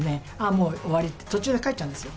もう終わりって、途中で帰っちゃうんですよ。